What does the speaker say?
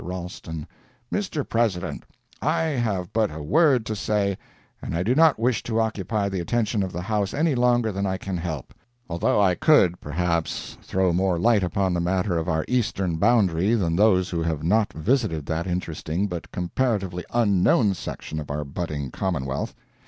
Ralston—"Mr. President: I have but a word to say, and I do not wish to occupy the attention of the house any longer than I can help; although I could, perhaps, throw more light upon the matter of our eastern boundary than those who have not visited that interesting but comparatively unknown section of our budding commonwealth.